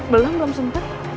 belum belum sempet